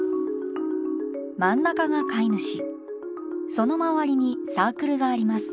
真ん中が飼い主その周りにサークルがあります。